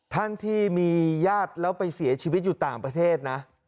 ท่านที่มีญาติแล้วไปเสียชีวิตอยู่ต่างประเทศนะ